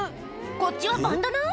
こっちはバンダナ？